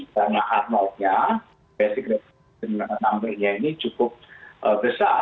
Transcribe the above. karena arnold nya basic reputation nya ini cukup besar